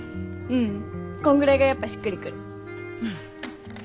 うんこんぐらいがやっぱしっくりくる。